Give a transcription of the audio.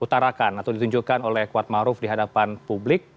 dan diperlihatkan atau ditunjukkan oleh kuat maruf di hadapan publik